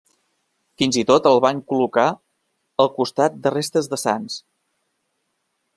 Fins i tot el van col·locar al costat de restes de sants.